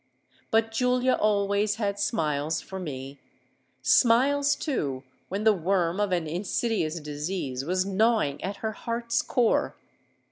But Julia always had smiles for me,—smiles, too, when the worm of an insidious disease was gnawing at her heart's core.